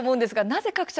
なぜ各社